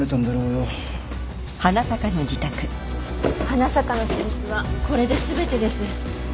花坂の私物はこれで全てです